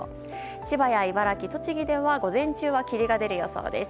千葉や茨城、栃木では午前中は霧が出る予想です。